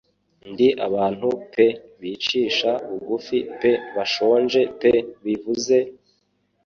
Ndi abantu pe bicisha bugufi pe bashonje pe bivuze -